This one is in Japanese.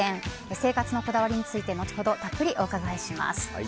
生活にこだわりについて後ほどたっぷりお伺いします。